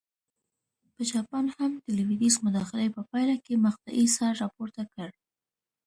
په جاپان هم د لوېدیځ مداخلې په پایله کې مقطعې سر راپورته کړ.